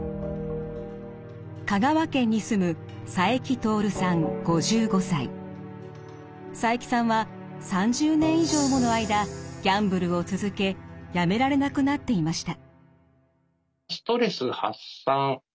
香川県に住む佐伯さんは３０年以上もの間ギャンブルを続けやめられなくなっていました。